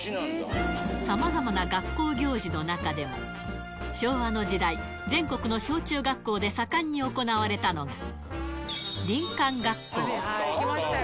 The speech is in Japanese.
さまざまな学校行事の中でも、昭和の時代、全国の小中学校で盛んに行われたのが、林間学校。